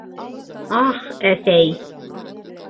Ах, әсәй!..